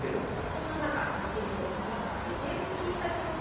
そんな中負けじと頑張ったベテラン棋士たちの姿をご紹介します。